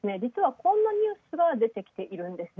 こんなニュースが出てきているんですね。